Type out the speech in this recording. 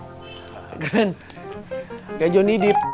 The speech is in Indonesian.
ya chekeor ke saya ini deh